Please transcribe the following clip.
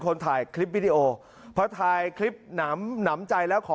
คนถ่ายคลิปวิดีโอพอถ่ายคลิปหนำหนำใจแล้วขอ